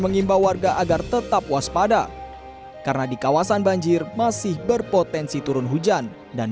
mengimbau warga agar tetap waspada karena di kawasan banjir masih berpotensi turun hujan dan